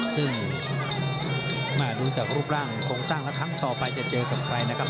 ซึ่งดูจากรูปร่างโครงสร้างแล้วครั้งต่อไปจะเจอกับใครนะครับ